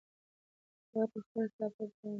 هغه په خپله صافه باندې د موټر ګردونه پاکول.